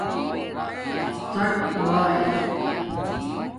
ڎاٹ وئئ